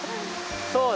そうだね。